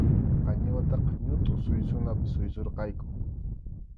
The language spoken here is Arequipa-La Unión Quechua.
Qañiwataqa ñutʼu suysunapi suysurqayku.